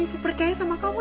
ibu percaya sama kamu